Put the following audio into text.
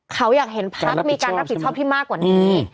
เขาอยากเห็นพักมีการรับผิดชอบที่มากกว่านี้